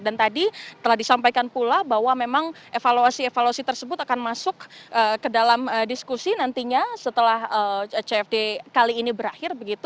dan tadi telah disampaikan pula bahwa memang evaluasi evaluasi tersebut akan masuk ke dalam diskusi nantinya setelah cfd kali ini berakhir